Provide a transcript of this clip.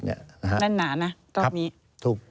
แน่นหนานะตอนนี้